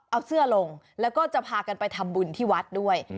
เอาเสื้อลงแล้วก็จะพากันไปทำบุญที่วัดด้วย